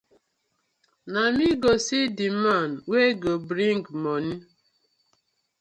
Na me go see di man wey go bring moni.